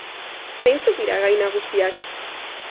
Zeintzuk gai nagusiak?